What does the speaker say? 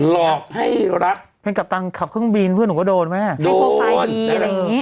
หลอกให้รักเป็นกัปตันขับเครื่องบินเพื่อนหนูก็โดนแม่โดนโปรไฟล์อะไรอย่างนี้